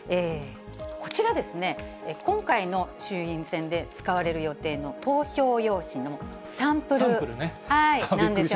こちらですね、今回の衆院選で使われる予定の投票用紙のサンプルなんですよ。